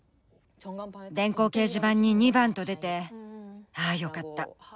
電光掲示板に２番と出て「ああよかった。